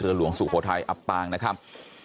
เรือทะหรวงสุขภทัยอับปางนะครับ